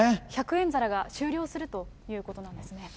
１００円皿が終了するということなんですね。